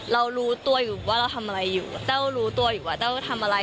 เรารู้ตัวอยู่ว่าเราทำอะไรอยู่แต้วรู้ตัวอยู่ว่าแต้วทำอะไร